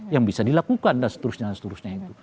yang bisa dilakukan dan seterusnya